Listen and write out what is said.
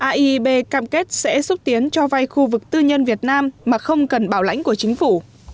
aib cam kết sẽ xúc tiến cho vay khu vực tư nhân việt nam mà không cần bảo lãnh của chính phủ